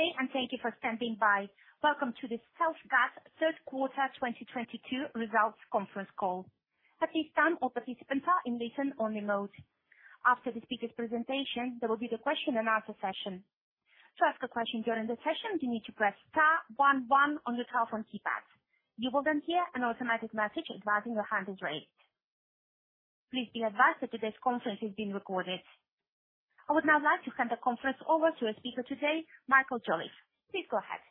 Good day, and thank you for standing by. Welcome to the StealthGas Third Quarter 2022 Results Conference Call. At this time, all participants are in listen only mode. After the speaker's presentation, there will be the question and answer session. To ask a question during the session, you need to press star one one on your telephone keypad. You will then hear an automatic message advising your hand is raised. Please be advised that today's conference is being recorded. I would now like to hand the conference over to our speaker today, Michael Jolliffe. Please go ahead.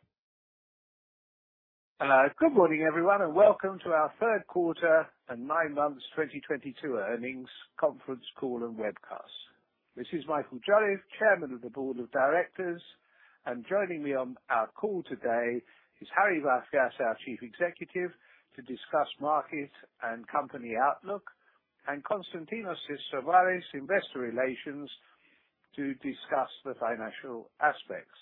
Hello. Good morning, everyone, and welcome to our third quarter and nine months 2022 earnings conference call and webcast. This is Michael Jolliffe, Chairman of the Board of Directors. Joining me on our call today is Harry Vafias, our Chief Executive, to discuss market and company outlook, and Konstantinos Sistovaris, Investor Relations, to discuss the financial aspects.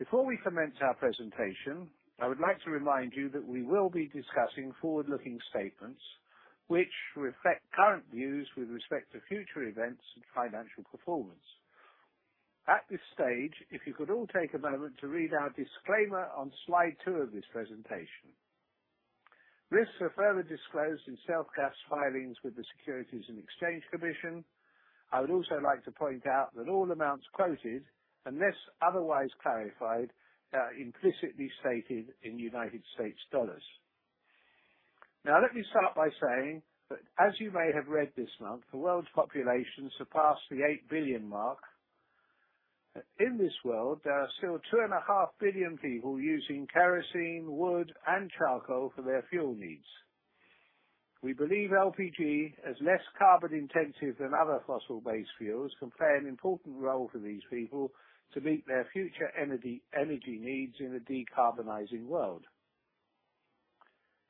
Before we commence our presentation, I would like to remind you that we will be discussing forward-looking statements which reflect current views with respect to future events and financial performance. At this stage, if you could all take a moment to read our disclaimer on slide two of this presentation. Risks are further disclosed in StealthGas filings with the Securities and Exchange Commission. I would also like to point out that all amounts quoted, unless otherwise clarified, are implicitly stated in United States dollars. Let me start by saying that as you may have read this month, the world's population surpassed the 8 billion mark. In this world, there are still two and a half billion people using kerosene, wood and charcoal for their fuel needs. We believe LPG, as less carbon intensive than other fossil-based fuels, can play an important role for these people to meet their future energy needs in a decarbonizing world.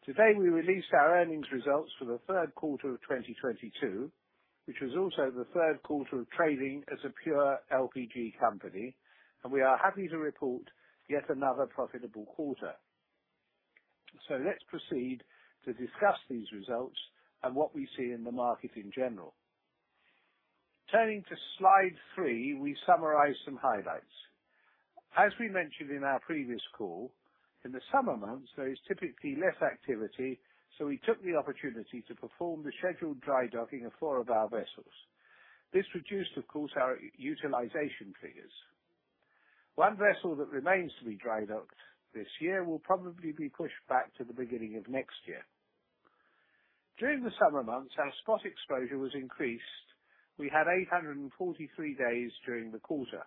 Today, we released our earnings results for the third quarter of 2022, which was also the third quarter of trading as a pure LPG company, and we are happy to report yet another profitable quarter. Let's proceed to discuss these results and what we see in the market in general. Turning to slide three, we summarize some highlights. As we mentioned in our previous call, in the summer months, there is typically less activity, we took the opportunity to perform the scheduled dry docking of four of our vessels. This reduced, of course, our utilization figures. One vessel that remains to be dry docked this year will probably be pushed back to the beginning of next year. During the summer months, our spot exposure was increased. We had 843 days during the quarter.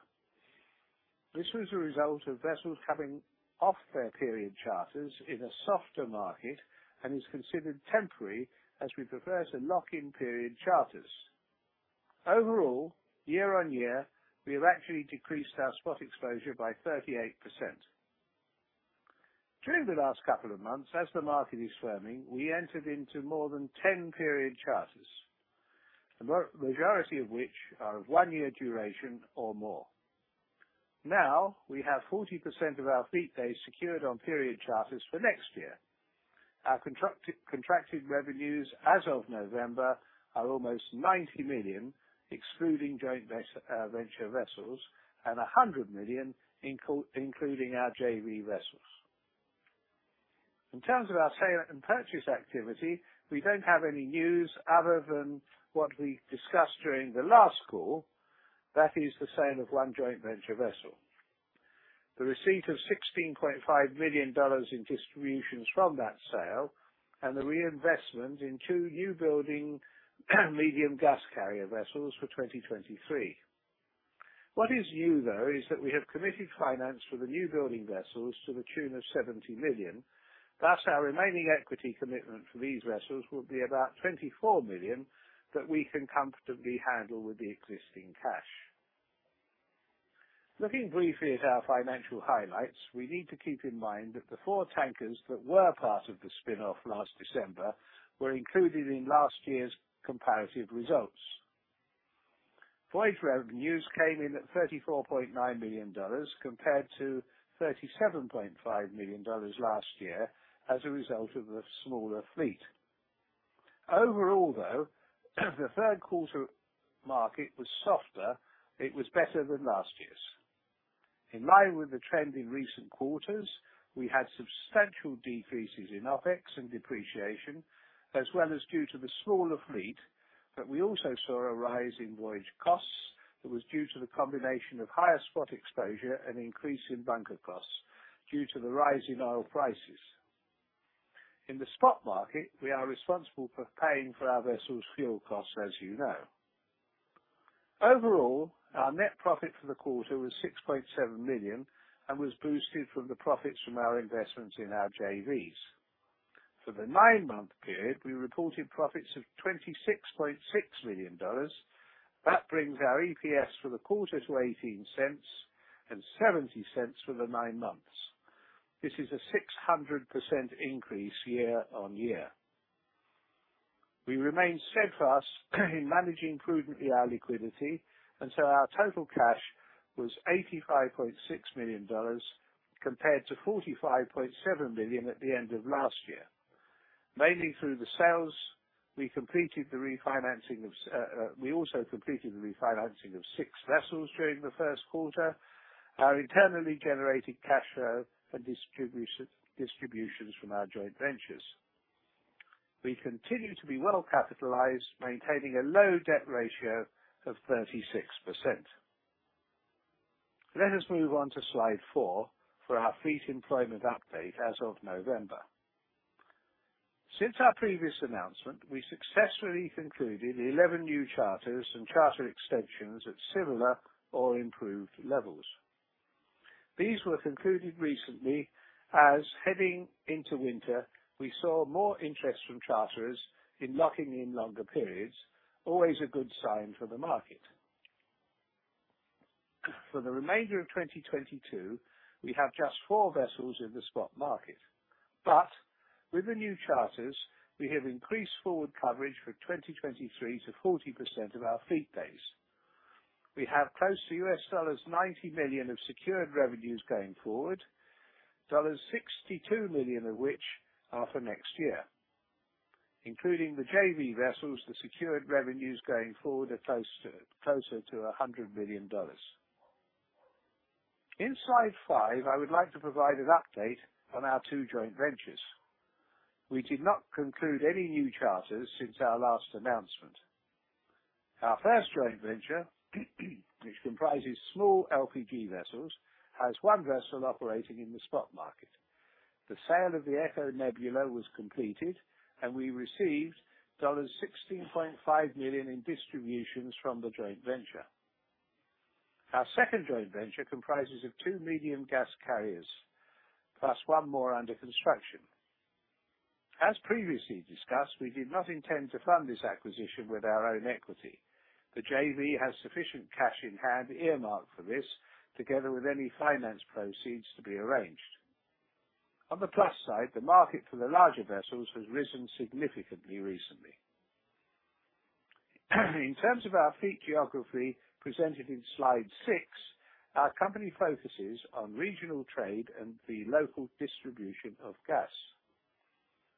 This was a result of vessels coming off their period charters in a softer market and is considered temporary as we prefer to lock in period charters. Overall, year-on-year, we have actually decreased our spot exposure by 38%. During the last couple of months, as the market is firming, we entered into more than 10 period charters, the majority of which are of one-year duration or more. Now, we have 40% of our fleet days secured on period charters for next year. Our contracted revenues as of November are almost $90 million, excluding joint venture vessels and $100 million including our JV vessels. In terms of our sale and purchase activity, we don't have any news other than what we discussed during the last call. That is the sale of one joint venture vessel. The receipt of $16.5 million in distributions from that sale and the reinvestment in two new building medium gas carrier vessels for 2023. What is new, though, is that we have committed finance for the new building vessels to the tune of $70 million. Thus, our remaining equity commitment for these vessels will be about $24 million that we can comfortably handle with the existing cash. Looking briefly at our financial highlights, we need to keep in mind that the four tankers that were part of the spin-off last December were included in last year's comparative results. Voyage revenues came in at $34.9 million compared to $37.5 million last year as a result of the smaller fleet. Overall, though, the third quarter market was softer, it was better than last year's. In line with the trend in recent quarters, we had substantial decreases in OpEx and depreciation, as well as due to the smaller fleet. We also saw a rise in voyage costs that was due to the combination of higher spot exposure and increase in bunker costs due to the rise in oil prices. In the spot market, we are responsible for paying for our vessels' fuel costs, as you know. Overall, our net profit for the quarter was $6.7 million and was boosted from the profits from our investments in our JVs. For the nine-month period, we reported profits of $26.6 million. That brings our EPS for the quarter to $0.18 and $0.70 for the nine months. This is a 600% increase year-over-year. We remain steadfast in managing prudently our liquidity. Our total cash was $85.6 million compared to $45.7 million at the end of last year. Mainly through the sales, we also completed the refinancing of six vessels during the first quarter. Our internally generated cash flow and distributions from our joint ventures. We continue to be well-capitalized, maintaining a low debt ratio of 36%. Let us move on to slide four for our fleet employment update as of November. Since our previous announcement, we successfully concluded 11 new charters and charter extensions at similar or improved levels. These were concluded recently as heading into winter, we saw more interest from charterers in locking in longer periods, always a good sign for the market. For the remainder of 2022, we have just four vessels in the spot market, but with the new charters, we have increased forward coverage for 2023 to 40% of our fleet days. We have close to $90 million of secured revenues going forward, $62 million of which are for next year. Including the JV vessels, the secured revenues going forward are closer to $100 million. In slide five, I would like to provide an update on our two joint ventures. We did not conclude any new charters since our last announcement. Our first joint venture, which comprises small LPG vessels, has one vessel operating in the spot market. The sale of the Eco Nebula was completed, and we received $16.5 million in distributions from the joint venture. Our second joint venture comprises of two medium gas carriers, plus one more under construction. As previously discussed, we did not intend to fund this acquisition with our own equity. The JV has sufficient cash in hand earmarked for this, together with any finance proceeds to be arranged. On the plus side, the market for the larger vessels has risen significantly recently. In terms of our fleet geography presented in slide six, our company focuses on regional trade and the local distribution of gas.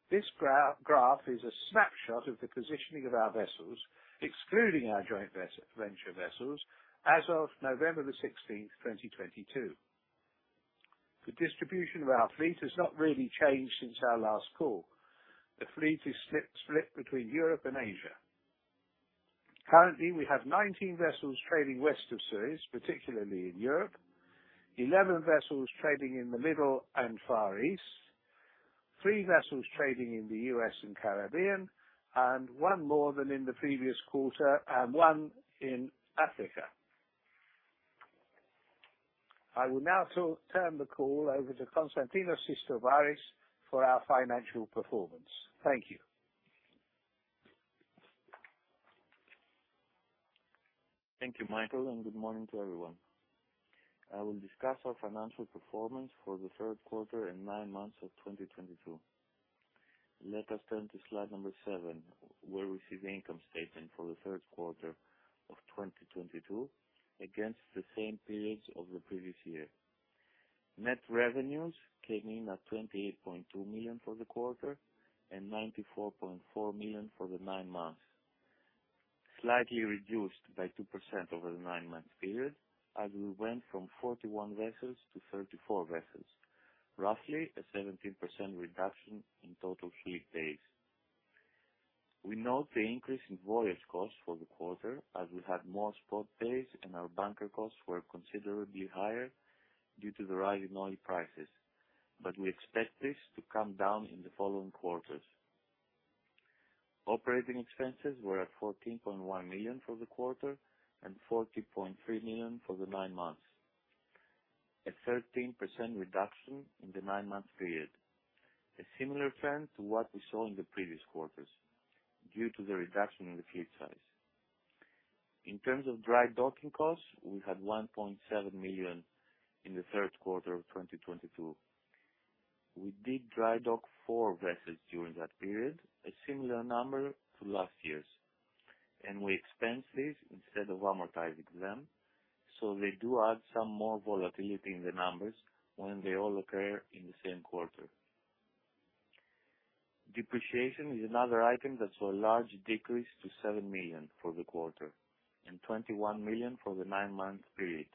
This graph is a snapshot of the positioning of our vessels, excluding our joint venture vessels as of November the 16th, 2022. The distribution of our fleet has not really changed since our last call. The fleet is split between Europe and Asia. Currently, we have 19 vessels trading west of Suez, particularly in Europe. 11 vessels trading in the Middle and Far East, three vessels trading in the U.S. and Caribbean, one more than in the previous quarter and one in Africa. I will now turn the call over to Konstantinos Sistovaris for our financial performance. Thank you. Thank you, Michael. Good morning to everyone. I will discuss our financial performance for the third quarter and nine months of 2022. Let us turn to slide number seven, where we see the income statement for the third quarter of 2022 against the same periods of the previous year. Net revenues came in at $28.2 million for the quarter and $94.4 million for the nine months. Slightly reduced by 2% over the nine-month period, as we went from 41 vessels to 34 vessels, roughly a 17% reduction in total fleet days. We note the increase in voyage costs for the quarter, as we had more spot days and our bunker costs were considerably higher due to the rise in oil prices. We expect this to come down in the following quarters. Operating expenses were at $14.1 million for the quarter and $40.3 million for the nine months. A 13% reduction in the 9-month period, a similar trend to what we saw in the previous quarters due to the reduction in the fleet size. In terms of dry docking costs, we had $1.7 million in the third quarter of 2022. We did dry dock four vessels during that period, a similar number to last year's. We expense these instead of amortizing them. They do add some more volatility in the numbers when they all occur in the same quarter. Depreciation is another item that saw a large decrease to $7 million for the quarter and $21 million for the 9-month period.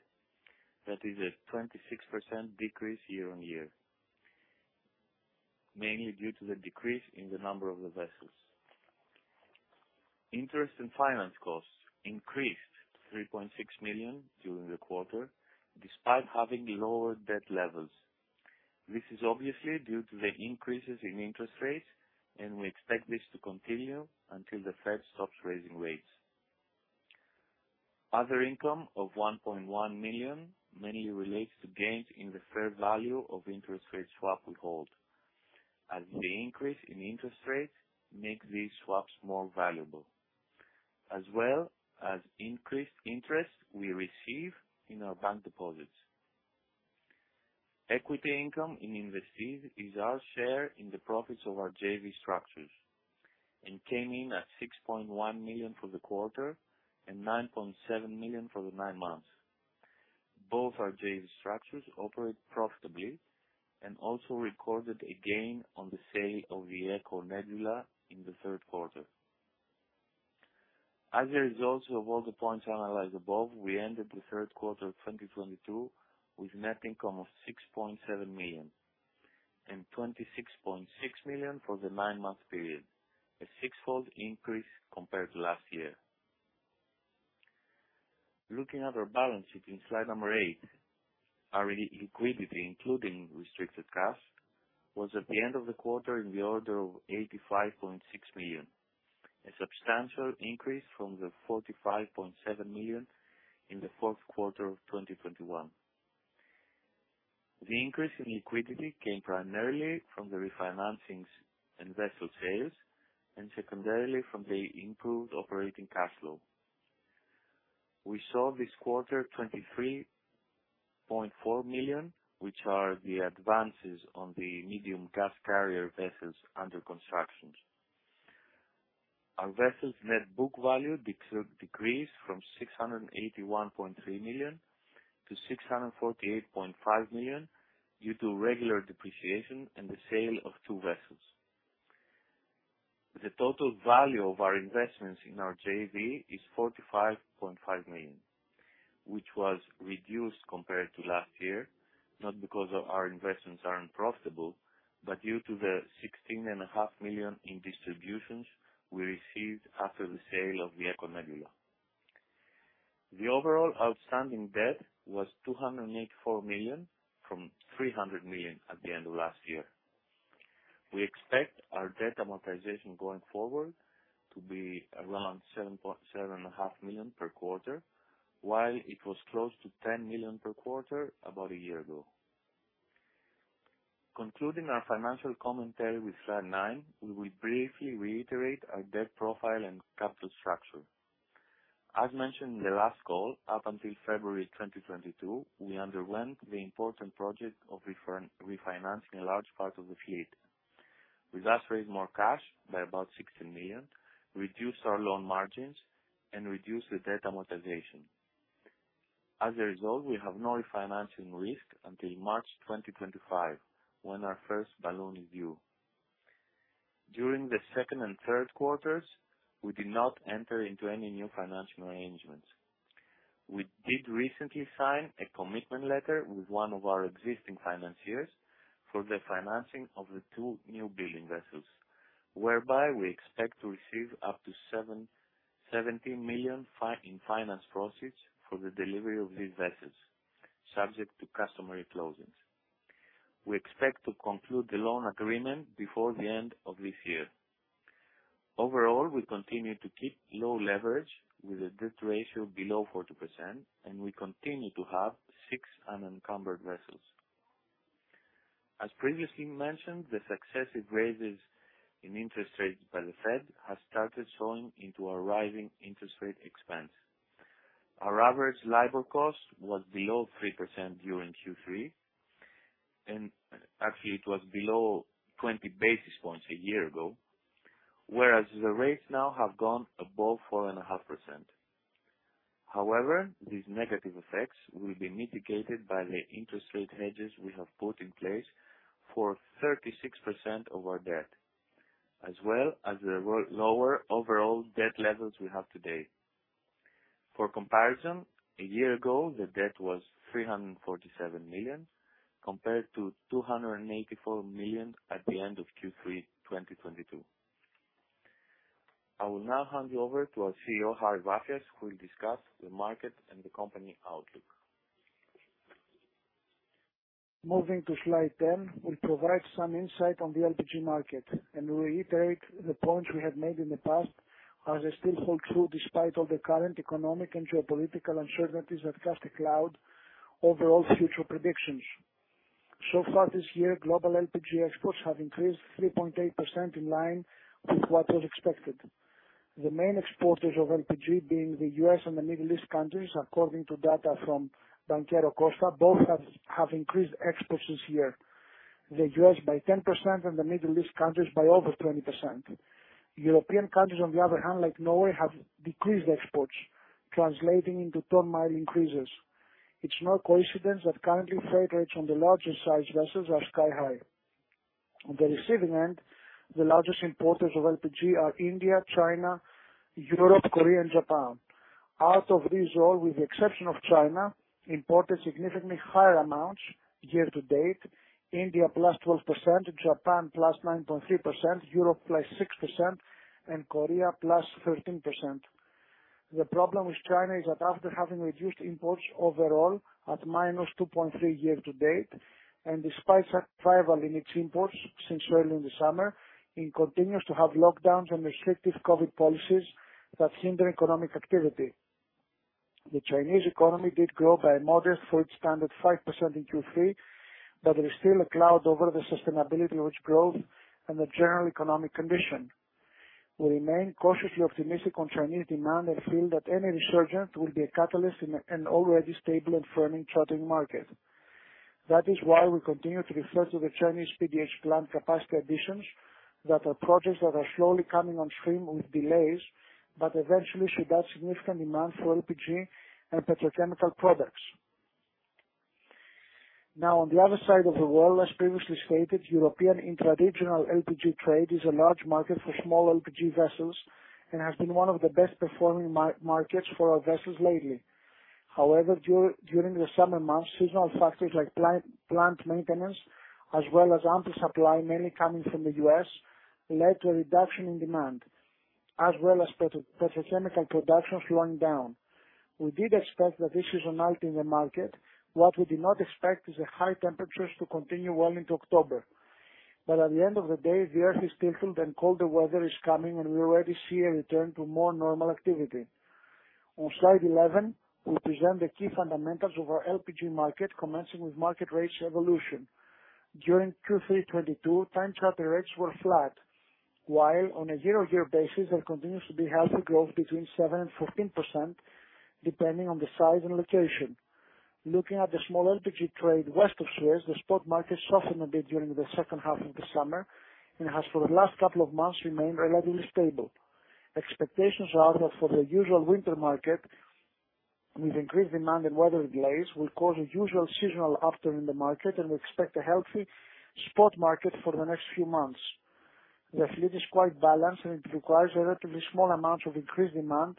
That is a 26% decrease year-over-year. Mainly due to the decrease in the number of the vessels. Interest and finance costs increased to $3.6 million during the quarter, despite having lower debt levels. This is obviously due to the increases in interest rates, and we expect this to continue until the Fed stops raising rates. Other income of $1.1 million mainly relates to gains in the fair value of interest rate swap we hold, as the increase in interest rates make these swaps more valuable, as well as increased interest we receive in our bank deposits. Equity income in Investee is our share in the profits of our JV structures and came in at $6.1 million for the quarter and $9.7 million for the nine months. Both our JV structures operate profitably and also recorded a gain on the sale of the Eco Nebula in the third quarter. As a result of all the points analyzed above, we ended the third quarter of 2022 with net income of $6.7 million and $26.6 million for the nine-month period, a six-fold increase compared to last year. Looking at our balance sheet in slide number eight, our liquidity, including restricted cash, was at the end of the quarter in the order of $85.6 million, a substantial increase from the $45.7 million in the fourth quarter of 2021. The increase in liquidity came primarily from the refinancings and vessel sales and secondarily from the improved operating cash flow. We saw this quarter $23.4 million, which are the advances on the medium gas carrier vessels under constructions. Our vessels net book value decreased from $681.3 million to $648.5 million due to regular depreciation and the sale of two vessels. The total value of our investments in our JV is $45.5 million, which was reduced compared to last year, not because our investments aren't profitable, but due to the $16 and a half million in distributions we received after the sale of the Eco Nebula. The overall outstanding debt was $284 million from $300 million at the end of last year. We expect our debt amortization going forward to be around $7 and a half million per quarter, while it was close to $10 million per quarter about a year ago. Concluding our financial commentary with slide nine, we will briefly reiterate our debt profile and capital structure. As mentioned in the last call, up until February 2022, we underwent the important project of refinancing a large part of the fleet. We thus raised more cash by about $16 million, reduced our loan margins, and reduced the debt amortization. As a result, we have no refinancing risk until March 2025, when our first balloon is due. During the second and third quarters, we did not enter into any new financial arrangements. We did recently sign a commitment letter with one of our existing financiers for the financing of the two new building vessels, whereby we expect to receive up to $17 million in finance proceeds for the delivery of these vessels, subject to customary closings. We expect to conclude the loan agreement before the end of this year. Overall, we continue to keep low leverage with a debt ratio below 40%, and we continue to have six unencumbered vessels. As previously mentioned, the successive raises in interest rates by the Fed has started showing into our rising interest rate expense. Our average LIBOR cost was below 3% during Q3, and actually it was below 20 basis points a year ago, whereas the rates now have gone above 4.5%. However, these negative effects will be mitigated by the interest rate hedges we have put in place for 36% of our debt, as well as the lower overall debt levels we have today. For comparison, a year ago, the debt was $347 million, compared to $284 million at the end of Q3 2022. I will now hand you over to our CEO, Harry Vafias, who will discuss the market and the company outlook. Moving to slide 10, we provide some insight on the LPG market and reiterate the points we have made in the past, as they still hold true despite all the current economic and geopolitical uncertainties that cast a cloud over all future predictions. So far this year, global LPG exports have increased 3.8% in line with what was expected. The main exporters of LPG being the U.S. and the Middle East countries, according to data from Banchero Costa, both have increased exports this year. The U.S. by 10% and the Middle East countries by over 20%. European countries, on the other hand, like Norway, have decreased exports, translating into ton-mile increases. It's no coincidence that currently freight rates on the larger sized vessels are sky-high. On the receiving end, the largest importers of LPG are India, China, Europe, Korea and Japan. Out of these all, with the exception of China, imported significantly higher amounts year to date. India +12%, Japan +9.3%, Europe +6%, and Korea +13%. The problem with China is that after having reduced imports overall at -2.3% year to date, and despite a revival in its imports since early in the summer, it continues to have lockdowns and restrictive COVID policies that hinder economic activity. The Chinese economy did grow by a modest food standard 5% in Q3, but there is still a cloud over the sustainability of its growth and the general economic condition. We remain cautiously optimistic on Chinese demand and feel that any resurgence will be a catalyst in an already stable and firming charting market. That is why we continue to refer to the Chinese PDH plant capacity additions that are projects that are slowly coming on stream with delays, but eventually should add significant demand for LPG and petrochemical products. On the other side of the world, as previously stated, European intra-regional LPG trade is a large market for small LPG vessels and has been one of the best performing markets for our vessels lately. During the summer months, seasonal factors like plant maintenance as well as ample supply, mainly coming from the U.S., led to a reduction in demand as well as petrochemical production slowing down. We did expect that this is a multi in the market. What we did not expect is the high temperatures to continue well into October, but at the end of the day, the earth is tilted and colder weather is coming and we already see a return to more normal activity. On slide 11, we present the key fundamentals of our LPG market, commencing with market rates evolution. During 2022, time charter rates were flat, while on a year-over-year basis, there continues to be healthy growth between 7% and 14% depending on the size and location. Looking at the small LPG trade west of Suez, the spot market softened a bit during the second half of the summer and has for the last couple of months remained relatively stable. Expectations are that for the usual winter market, with increased demand and weather delays, will cause a usual seasonal uptick in the market and we expect a healthy spot market for the next few months. The fleet is quite balanced, and it requires relatively small amounts of increased demand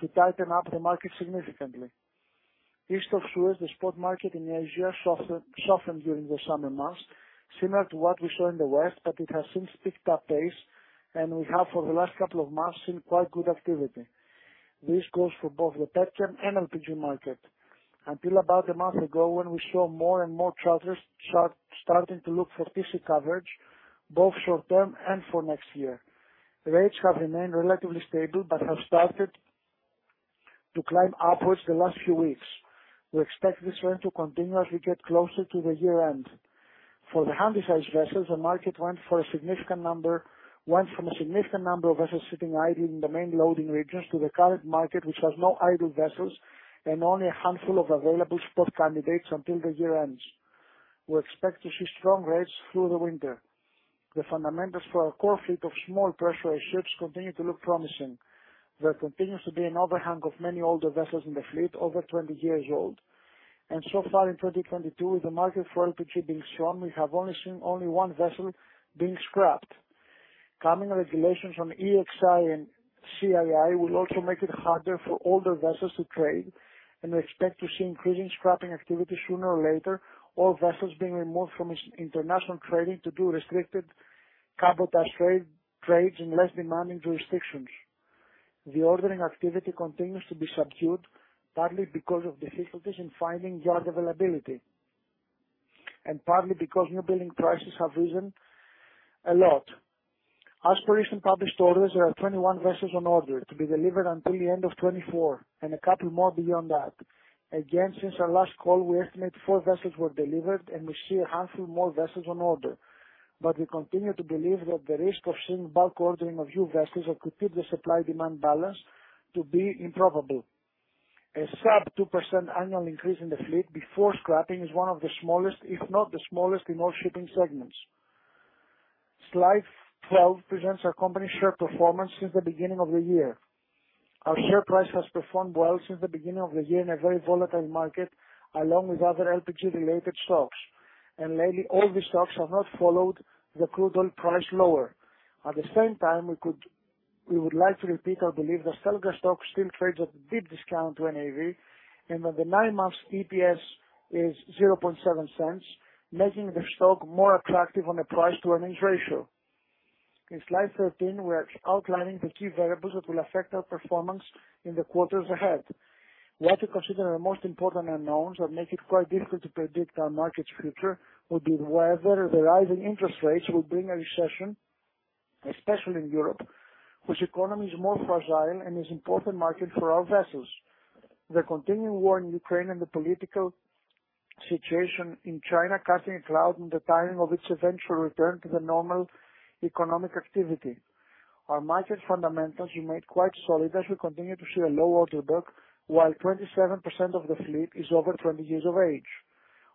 to tighten up the market significantly. East of Suez, the spot market in Asia softened during the summer months, similar to what we saw in the West, but it has since picked up pace and we have for the last couple of months seen quite good activity. This goes for both the petchem and LPG market. Until about a month ago, when we saw more and more charters starting to look for PC coverage, both short term and for next year. Rates have remained relatively stable but have started to climb upwards the last few weeks. We expect this trend to continue as we get closer to the year end. For the handy-sized vessels, the market went from a significant number of vessels sitting idle in the main loading regions to the current market, which has no idle vessels and only a handful of available spot candidates until the year ends. We expect to see strong rates through the winter. The fundamentals for our core fleet of small pressurized ships continue to look promising. There continues to be an overhang of many older vessels in the fleet over 20 years old and so far in 2022, with the market for LPG being strong, we have only seen one vessel being scrapped. Coming regulations on EEXI and CII will also make it harder for older vessels to trade. We expect to see increasing scrapping activity sooner or later, or vessels being removed from international trading to do restricted cabotage trade, trades in less demanding jurisdictions. The ordering activity continues to be subdued, partly because of difficulties in finding yard availability and partly because new building prices have risen a lot. As per recent published orders, there are 21 vessels on order to be delivered until the end of 2024 and a couple more beyond that. Again, since our last call, we estimate four vessels were delivered and we see a handful more vessels on order. We continue to believe that the risk of seeing bulk ordering of new vessels that could tip the supply demand balance to be improbable. A sub 2% annual increase in the fleet before scrapping is one of the smallest, if not the smallest in all shipping segments. Slide 12 presents our company share performance since the beginning of the year. Our share price has performed well since the beginning of the year in a very volatile market, along with other LPG related stocks. Lately all the stocks have not followed the crude oil price lower. At the same time, we would like to repeat our belief that StealthGas stock still trades at a big discount to NAV and that the nine months EPS is $0.007, making the stock more attractive on a price to earnings ratio. In slide 13, we are outlining the key variables that will affect our performance in the quarters ahead. What we consider the most important unknowns that make it quite difficult to predict our market's future would be whether the rising interest rates will bring a recession, especially in Europe, whose economy is more fragile and is important market for our vessels. The continuing war in Ukraine and the political situation in China, casting a cloud on the timing of its eventual return to the normal economic activity. Our market fundamentals remain quite solid as we continue to see a low order book, while 27% of the fleet is over 20 years of age.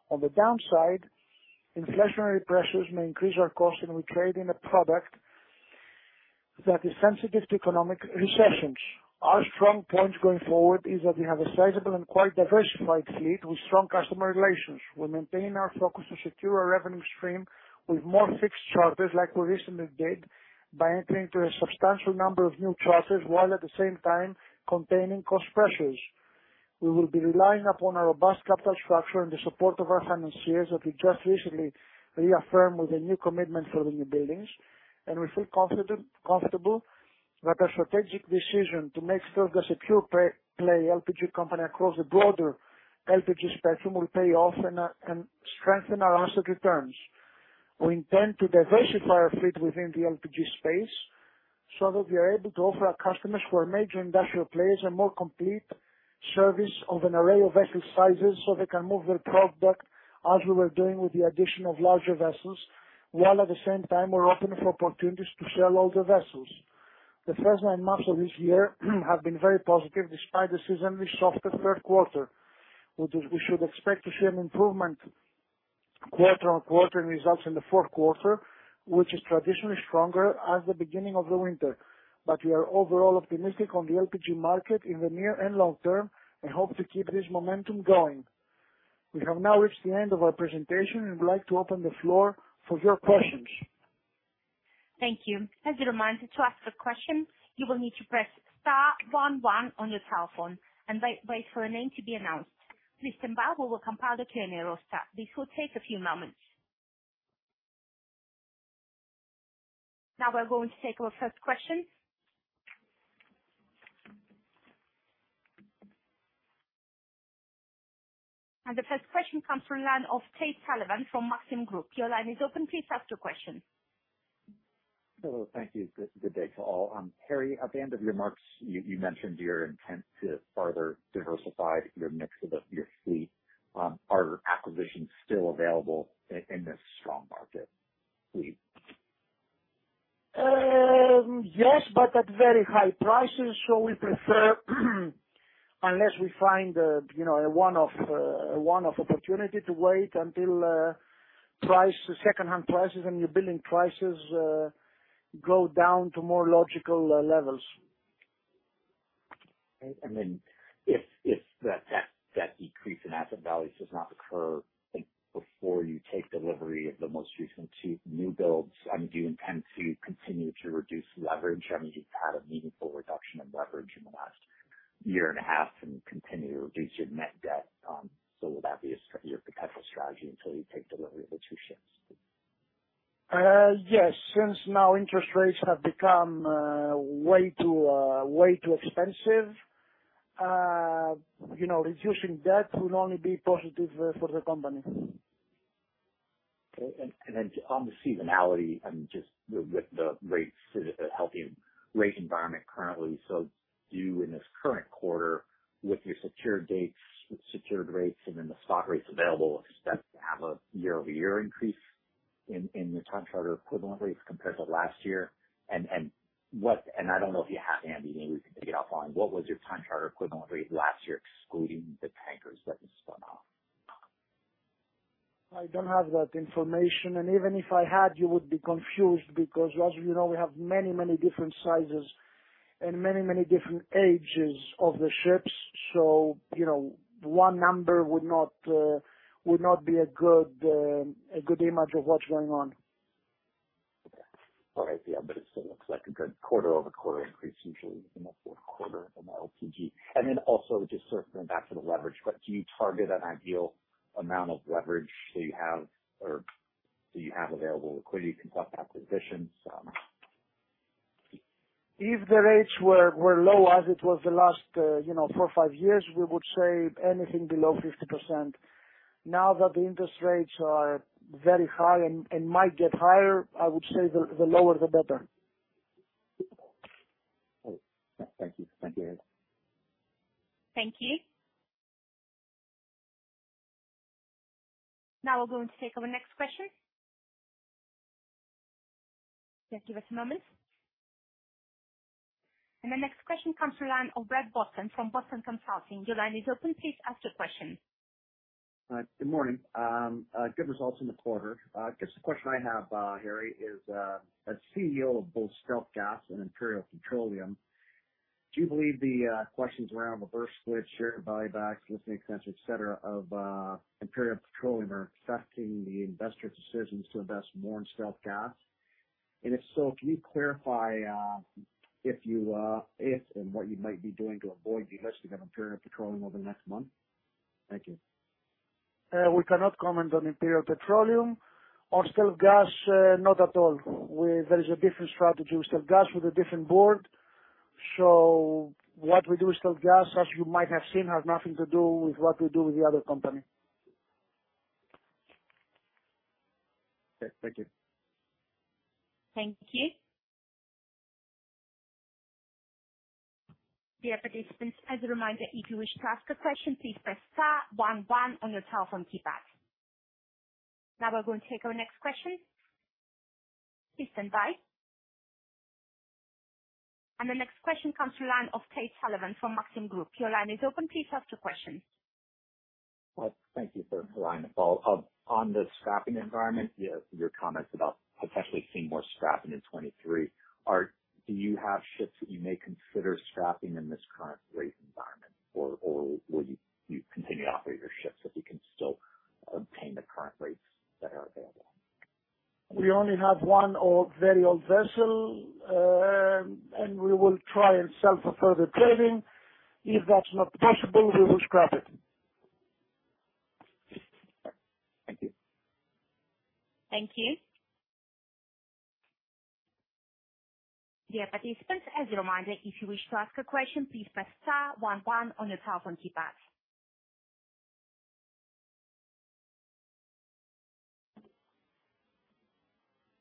On the downside, inflationary pressures may increase our cost, and we trade in a product that is sensitive to economic recessions. Our strong points going forward is that we have a sizable and quite diversified fleet with strong customer relations. We maintain our focus to secure our revenue stream with more fixed charters like we recently did by entering into a substantial number of new charters while at the same time containing cost pressures. We will be relying upon our robust capital structure and the support of our financiers that we just recently reaffirmed with a new commitment for the newbuildings. We feel confident, comfortable that our strategic decision to make certain the secure play LPG company across the broader LPG spectrum will pay off and strengthen our asset returns. We intend to diversify our fleet within the LPG space so that we are able to offer our customers who are major industrial players, a more complete service of an array of vessel sizes so they can move their product as we were doing with the addition of larger vessels, while at the same time we're open for opportunities to sell older vessels. The first nine months of this year have been very positive despite the seasonally softer third quarter. We should expect to see an improvement quarter-on-quarter in results in the fourth quarter, which is traditionally stronger as the beginning of the winter. We are overall optimistic on the LPG market in the near and long term, and hope to keep this momentum going. We have now reached the end of our presentation and would like to open the floor for your questions. Thank you. As a reminder, to ask a question, you will need to press star one one on your telephone and wait for a name to be announced. Please stand by, we will compile the Q&A roster. This will take a few moments. We're going to take our first question. The first question comes from line of Tate Sullivan from Maxim Group. Your line is open. Please ask your question. Hello. Thank you. Good day to all. Harry, at the end of your remarks, you mentioned your intent to further diversify your mix of the, your fleet. Are acquisitions still available in this strong market, please? yes, but at very high prices, so we prefer unless we find a, you know, a one-off, a one-off opportunity to wait until price, secondhand prices and newbuilding prices go down to more logical levels. Okay. If that decrease in asset values does not occur, in this current quarter with your secured dates, with secured rates and then the spot rates available, expect to have a year-over-year increase in your time charter equivalent rates compared to last year? What. I don't know if you have, Andy, maybe you can pick it up on, what was your time charter equivalent rate last year excluding the tankers that you spun off? I don't have that information. Even if I had, you would be confused because as you know, we have many, many different sizes and many, many different ages of the ships. You know, one number would not be a good image of what's going on. Okay. All right. Yeah. It still looks like a good quarter-over-quarter increase usually in the fourth quarter in the LPG. Also just circling back to the leverage, but do you target an ideal amount of leverage that you have or do you have available liquidity to conduct acquisitions? If the rates were low as it was the last, you know, four or five years, we would say anything below 50%. Now that the interest rates are very high and might get higher, I would say the lower the better. All right. Thank you. Thank you. Thank you. Now we're going to take our next question. Just give us a moment. The next question comes to line of Climent Molin from Boston Consulting. Your line is open. Please ask your question. Good morning. Good results in the quarter. I guess the question I have, Harry, is, as CEO of both StealthGas and Imperial Petroleum, do you believe the questions around the Byrd split, share buybacks, listing expense, et cetera, of Imperial Petroleum are affecting the investors' decisions to invest more in StealthGas? If so, can you clarify if you, if and what you might be doing to avoid delisting of Imperial Petroleum over the next month? Thank you. We cannot comment on Imperial Petroleum or StealthGas, not at all. There is a different strategy with StealthGas with a different board. What we do with StealthGas, as you might have seen, has nothing to do with what we do with the other company. Okay. Thank you. Thank you. Dear participants, as a reminder, if you wish to ask a question, please press star one one on your telephone keypad. Now we're going to take our next question. Please stand by. The next question comes to line of Tate Sullivan from Maxim Group. Your line is open. Please ask your question. Thank you for allowing the follow-up. On the scrapping environment, your comments about potentially seeing more scrapping in 23, do you have ships that you may consider scrapping in this current rate environment? Or will you continue to operate your ships if you can still obtain the current rates that are available? We only have one old, very old vessel, and we will try and sell for further trading. If that's not possible, we will scrap it. Okay. Thank you. Thank you. Dear participants, as a reminder, if you wish to ask a question, please press star one one on your telephone keypad.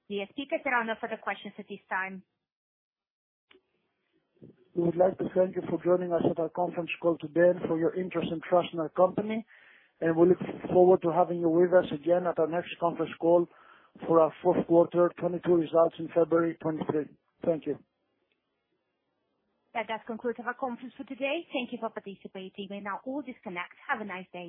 Yes, Peter, there are no further questions at this time. We would like to thank you for joining us at our conference call today and for your interest and trust in our company, and we look forward to having you with us again at our next conference call for our fourth quarter 2022 results in February 2023. Thank you. That does conclude our conference for today. Thank you for participating. You may now all disconnect. Have a nice day.